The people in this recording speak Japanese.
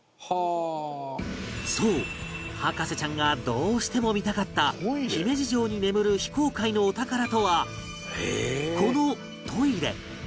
そう博士ちゃんがどうしても見たかった姫路城に眠る非公開のお宝とはこのトイレ